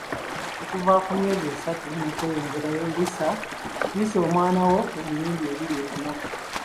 Okuva ku myezi esatu n'okweyongerayo, liisa omwana wo emirundi ebiri olunaku.